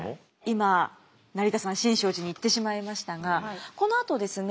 今成田山新勝寺に行ってしまいましたがこのあとですね